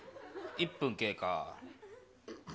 １分経過。